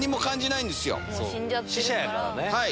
死者やからね。